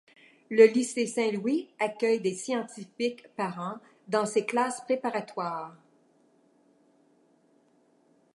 Le lycée Saint-Louis accueille scientifiques par an dans ses classes préparatoires.